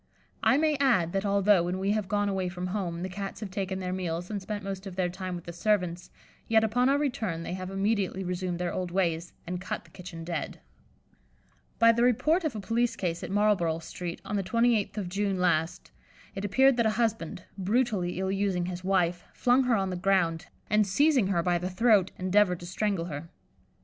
I may add, that although, when we have gone away from home, the Cats have taken their meals and spent most of their time with the servants, yet upon our return they have immediately resumed their old ways, and cut the kitchen dead. By the report of a police case at Marlborough Street, on the 28th of June last, it appeared that a husband, brutally ill using his wife, flung her on the ground, and seizing her by the throat, endeavoured to strangle her.